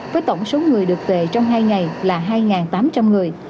với tổng số người được về trong hai ngày là hai tám trăm linh người